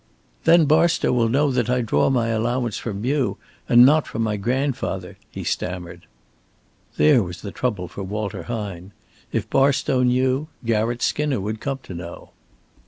"Then Barstow will know that I draw my allowance from you, and not from my grandfather," he stammered. There was the trouble for Walter Hine. If Barstow knew, Garratt Skinner would come to know.